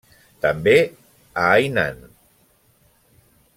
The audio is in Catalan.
També a Hainan.